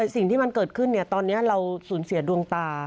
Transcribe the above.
สิ่งที่มันเกิดขึ้นตอนนี้เราสูญเสียดวงตา